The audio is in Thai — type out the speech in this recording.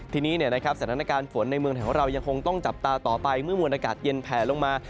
ทีนี้สถานการณ์ฝนในเมืองไทยของเรายังคงต้องจับตาต่อไปเมื่อมวลอากาศเย็นแผลลงมา